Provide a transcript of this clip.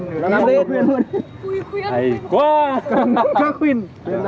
bẻ đuôi con này có khoản phí nhất định